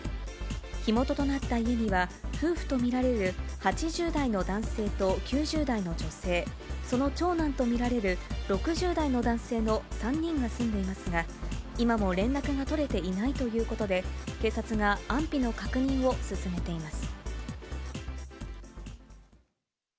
火元となった家には、夫婦と見られる８０代の男性と９０代の女性、その長男と見られる６０代の男性の３人が住んでいますが、今も連絡が取れていないということで、警察が安否の確認を進めています。